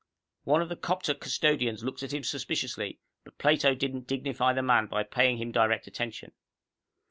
One of the 'copter custodians looked at him suspiciously, but Plato didn't dignify the man by paying him direct attention.